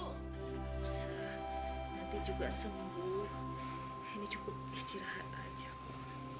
nggak usah nanti juga sembuh ini cukup istirahat aja bu